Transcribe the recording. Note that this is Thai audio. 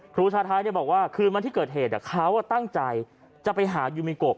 ครูชาท้ายบอกว่าคืนวันที่เกิดเหตุเขาตั้งใจจะไปหายูมิโกะ